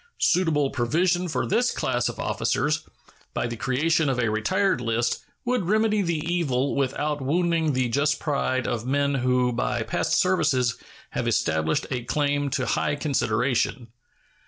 Suitable provision for this class of officers, by the creation of a retired list, would remedy the evil without wounding the just pride of men who by past services have established a claim to high consideration.